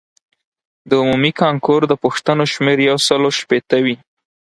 د عمومي کانکور د پوښتنو شمېر یو سلو شپیته وي.